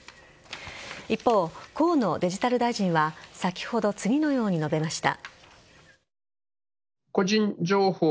一方、河野デジタル大臣は先ほど次のように述べました。